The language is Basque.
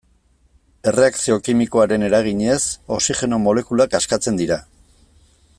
Erreakzio kimikoaren eraginez, oxigeno molekulak askatzen dira.